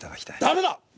ダメだ！